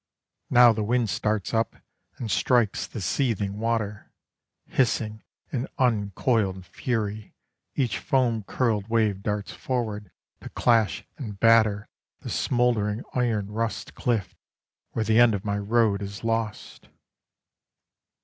Now the wind starts up And strikes the seething water: Hissing in uncoiled fury Each foam curled wave darts forward To clash and batter The smouldering iron rust cliff, Where the end of my road is lost.